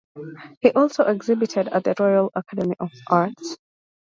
He also exhibited at the Royal Academy of Arts.